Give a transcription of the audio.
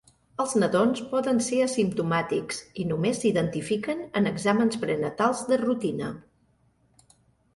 Els nadons poden ser asimptomàtics i només s'identifiquen en exàmens prenatals de rutina.